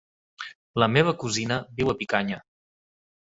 La meva cosina viu a Picanya.